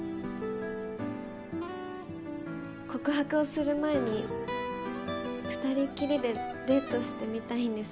告白をする前に２人っきりでデートしてみたいんです。